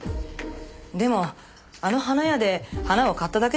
でもあの花屋で花を買っただけじゃないんですか？